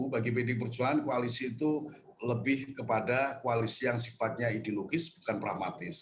jadi perjuangan koalisi itu lebih kepada koalisi yang sifatnya ideologis bukan pragmatis